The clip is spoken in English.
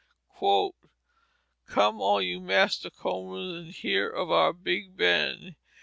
"Come all ye Master Combers, and hear of our Big Ben.